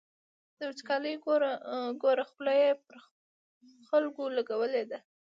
دا وچکالي ګوره، خوله یې پر خلکو لګولې ده.